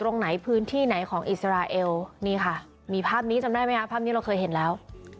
นี่ค่ะมีภาพนี้จำได้มั้ยครับภาพนี้เราเคยเห็นแล้ว